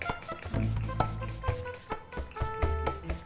bisa ga luar biasa